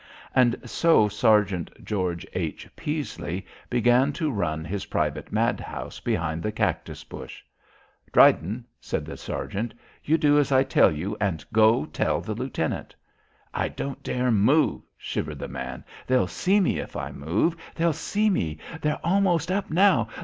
And so Sergeant George H. Peasley began to run his private madhouse behind the cactus bush. "Dryden," said the sergeant, "you do as I tell you and go tell the lieutenant." "I don't dare move," shivered the man. "They'll see me if I move. They'll see me. They're almost up now.